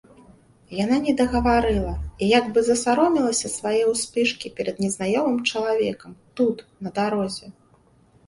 Яна недагаварыла і як бы засаромелася свае ўспышкі перад незнаёмым чалавекам тут, на дарозе.